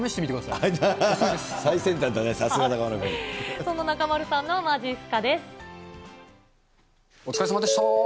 最先端だね、そんな中丸さんのまじっすかお疲れさまでした。